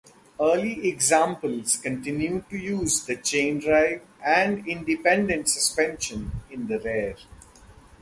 Early examples continued to use the chain drive and independent suspension in the rear.